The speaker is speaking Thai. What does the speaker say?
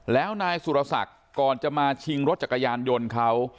แล้วนายสุรศักดิ์ก่อนจะมาชิงรถจักรยานยนต์เขา